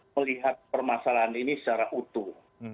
melihat permasalahan ini secara utuh